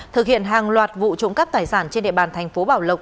thực hiện hàng loạt vụ trộm cắp tài sản trên địa bàn thành phố bảo lộc